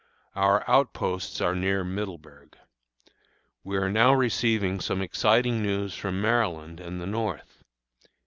Our outposts are near Middleburg. We are now receiving some exciting news from Maryland and the North.